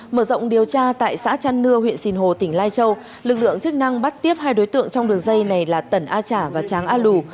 mở rộng điều tra tại xã trăn nưa huyện sìn hồ tỉnh lai châu lực lượng chức năng bắt tiếp hai đối tượng trong đường dây này là tẩn a trả và tráng a lù